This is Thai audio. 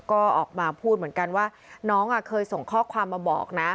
ก็ออกมาพูดเหมือนกันว่าน้องเคยส่งข้อความมาบอกนะ